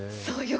そう！